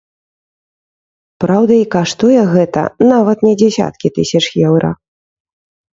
Праўда, і каштуе гэта нават не дзясяткі тысяч еўра.